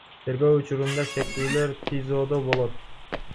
Тергөө учурунда шектүүлөр ТИЗОдо болот.